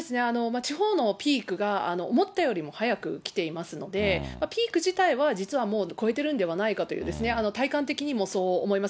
地方のピークが思ったよりも早く来ていますので、ピーク自体は実はもう越えてるんではないかという、体感的にもそう思います。